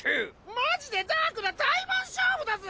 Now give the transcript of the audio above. マジでダークなタイマン勝負だぜ！